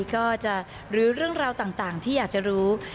ก็จะหรือเรื่องราวต่างที่อยากจะรู้